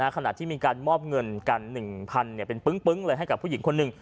ขณะที่มีการมอบเงินกัน๑๐๐เป็นปึ้งเลยให้กับผู้หญิงคนหนึ่ง